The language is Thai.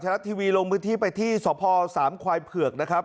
รัฐทีวีลงพื้นที่ไปที่สพสามควายเผือกนะครับ